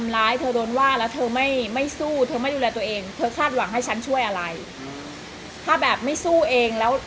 แล้วถ้าแม่ไม่สู้เองแล้ว